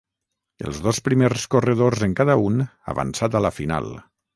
Els dos primers corredors en cada un avançat a la final.